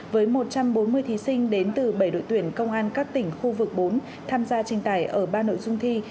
với một trăm bốn mươi thí sinh đến từ bảy đội tuyển công an các tỉnh khu vực bốn tham gia trình tài ở ba nội dung thi